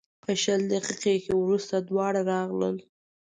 په شل دقیقې وروسته دواړه راغلل.